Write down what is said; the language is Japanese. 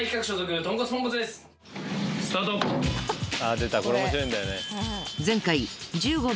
出たこれおもしろいんだよね。